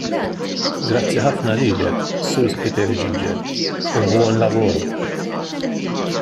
Grazzi ħafna lilek, Sur Spiteri Gingell, u buon lavoro.